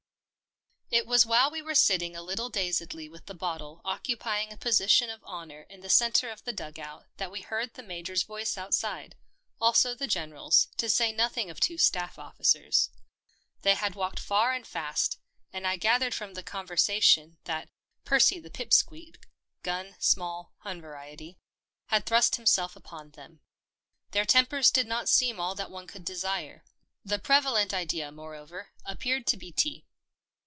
It was while we were sitting a little dazedly with the bottle occupying a position of honour in the centre of the dug out that we heard the Major's voice outside — also the General's, to say nothing to two staff officers. They had walked far and fast, and I gathered from the conversation that Percy the pip squeak — gun, small, Hun variety — had thrust himself upon them. Their tempers did not seem all that one could desire. The preva lent idea, moreover, appeared to be tea.